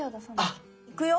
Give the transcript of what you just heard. あっ！いくよ。